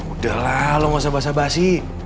udah lah lo gausah basah basih